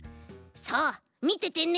さあみててね。